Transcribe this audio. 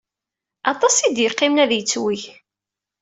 Aṭas i d-yeqqimen ad yettweg.